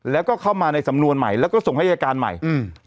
แล้วก็เข้ามาในสำนวนใหม่แล้วก็ส่งให้อายการใหม่อืม